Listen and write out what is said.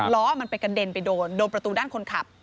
ล้อมันไปกระเด็นไปโดนโดนประตูด้านคนขับ